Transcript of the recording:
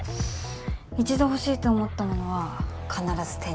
一度欲しいと思ったものは必ず手に入れる。